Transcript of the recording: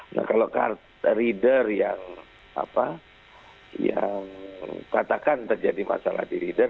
nah kalau reader yang katakan terjadi masalah di reader